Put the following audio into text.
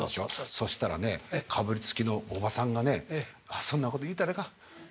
そうしたらねかぶりつきのおばさんがね「そんなこと言うたらいかん。